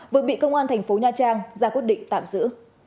vừa bị công an thành phố nha trang ra quyết định tạm giữ